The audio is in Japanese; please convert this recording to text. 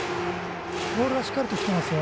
ボールはしっかりしていますよ。